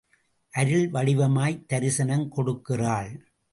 அருள் வடிவமாய்த் தரிசனம் கொடுக்கிறாள்.